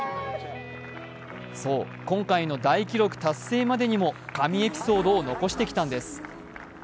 そう、今回の大記録達成までにも神エピソードを残してきたんです。